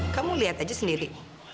kamu lihat aja sendiri